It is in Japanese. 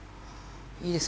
いいです。